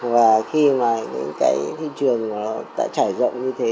và khi mà những cái thị trường nó đã trải rộng như thế